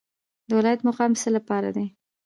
د ولایت مقام د څه لپاره دی؟